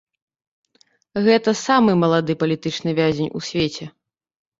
Гэта самы малады палітычны вязень у свеце.